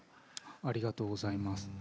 ありがとうございます。